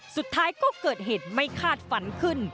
สุดท้ายก็เกิดเหตุไม่คาดฝันขึ้น